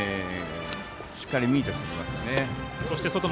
しっかりミートしてきますね。